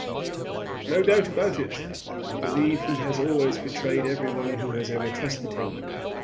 "No doubt about it. I believe he has always betrayed every one who has ever trusted him.